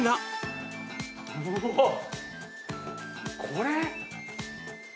これ？